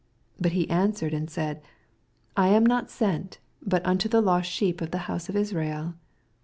24 But he answered and said, I am not sent but unto the lost sheep of the house of Israel.